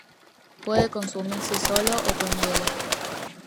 Puede consumirse solo o con hielo.